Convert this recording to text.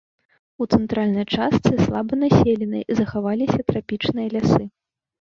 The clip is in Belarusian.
У цэнтральнай частцы, слаба населенай, захаваліся трапічныя лясы.